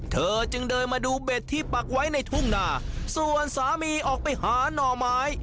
เธอจึงเดินมาดูเบ็ดที่ปักไว้ในทุ่งนาส่วนสามีออกไปหาหน่อไม้